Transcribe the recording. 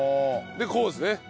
でこうですね。